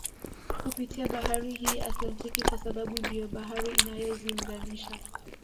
Kupitia bahari hii ya Atlantiki kwa sababu ndiyo bahari inayoziunganisha